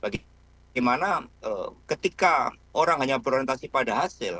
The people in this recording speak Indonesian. bagaimana ketika orang hanya berorientasi pada hasil